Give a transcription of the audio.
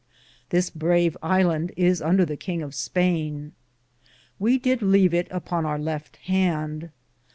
This brave ilande is under the kinge of Spayne. We did leave it upon our lefte hand.